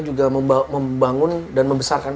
juga membangun dan membesarkan